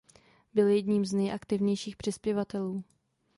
Byl jedním z nejaktivnějších přispěvatelů.